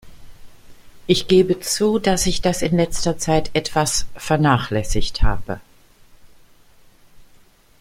Ich gebe zu, dass ich das in letzter Zeit etwas vernachlässigt habe.